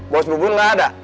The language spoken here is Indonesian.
bos bubun gak ada